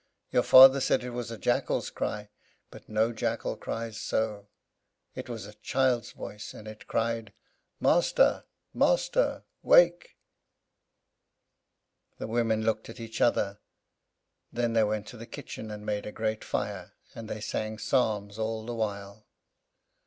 Your father said it was a jackal's cry, but no jackal cries so. It was a child's voice, and it cried, 'Master, master, wake!'" The women looked at each other; then they went to the kitchen, and made a great fire; and they sang psalms all the while.